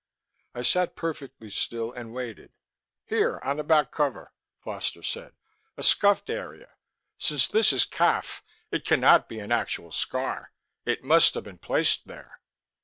I sat perfectly still and waited. "Here on the back cover," Foster said. "A scuffed area. Since this is khaff, it cannot be an actual scar. It must have been placed there."